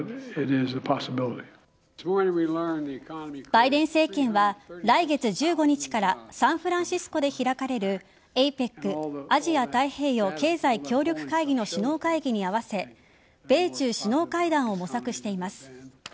バイデン政権は来月１５日からサンフランシスコで開かれるＡＰＥＣ＝アジア太平洋経済協力会議の首脳会議に合わせ米中首脳会談を模索しています。